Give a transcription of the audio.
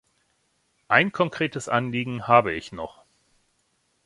Ein konkretes Anliegen habe ich noch.